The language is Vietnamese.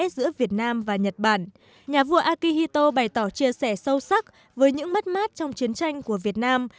giữa việt nam và nhật bản nhà vua akihito bày tỏ chia sẻ sâu sắc với những mất mát trong chiến tranh của việt nam